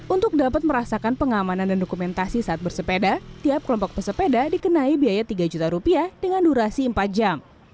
untuk dapat merasakan pengamanan dan dokumentasi saat bersepeda tiap kelompok pesepeda dikenai biaya tiga juta rupiah dengan durasi empat jam